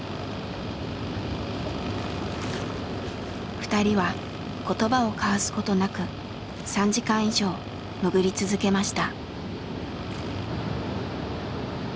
２人は言葉を交わすことなく３時間以上潜り続けました。